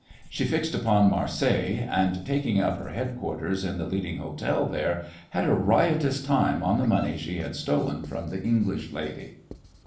She fixed upon Marseilles, and, taking up her headquarters in the leading hotel there, had a riotous time on the money she had stolen from the English lady.